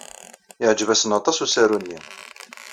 Yeɛjeb-asen aṭas usaru-nni.